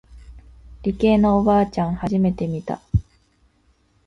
理系のおばあちゃん初めて見た。